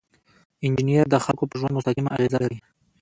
انجینر د خلکو په ژوند مستقیمه اغیزه لري.